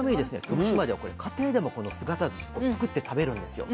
徳島では家庭でもこの姿ずし作って食べるんですよ。